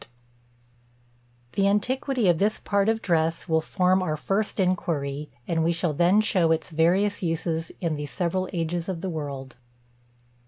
The antiquity of this part of dress will form our first inquiry; and we shall then show its various uses in the several ages of the world.